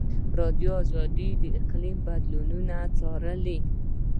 ازادي راډیو د اقلیم بدلونونه څارلي.